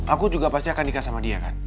aku juga pasti akan nikah sama dia kan